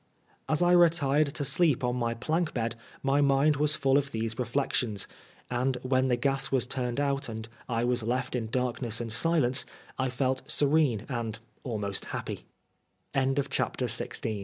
As I retired to sleep on my plank bed my mind was full of these re flections, and when the gas was turned out, and I was left in darkness and silence, I felt serene and almost ha